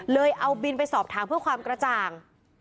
เอาบินไปสอบถามเพื่อความกระจ่าง